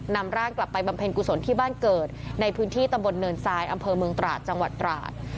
นำร่างกลับไปบำเพ็ญกุศลที่บ้านเกิดในพื้นที่ตำบลเนินทรายอำเภอเมืองตราดจังหวัดตราด